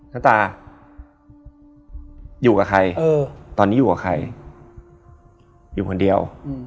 ตาอยู่กับใครตอนนี้อยู่กับใครอยู่คนเดียว